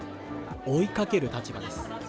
追いかける立場です。